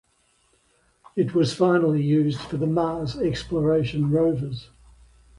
It was finally used for the Mars Exploration Rovers.